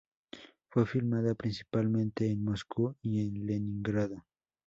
Fue filmada principalmente en Moscú y en Leningrado.